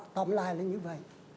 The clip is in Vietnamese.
tổng lại là như vậy